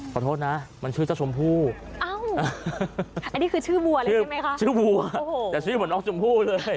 พอโทษนะมันชื่อเจ้าชมพู่